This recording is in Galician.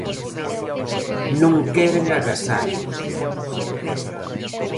Non queren agasallos.